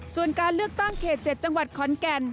ส่วนการเลือกตั้งเขต๗จังหวัดขอนแก่น